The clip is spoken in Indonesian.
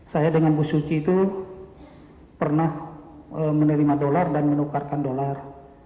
saya dengan bu suci itu pernah menerima dolar dan menukarkan dolar